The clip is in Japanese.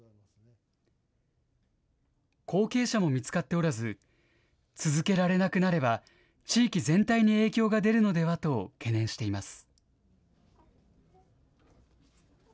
後継者も見つかっておらず、続けられなくなれば地域全体に影響が出るのではと懸念しています。